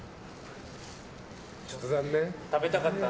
ちょっと残念？